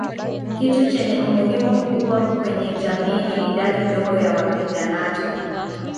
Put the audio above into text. Kitu chenye umuhimu mkubwa kwenye jamii ni idadi ndogo ya wapiganaji